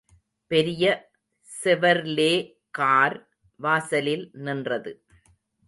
பெரிய Chevrolet car வாசலில் நின்றது.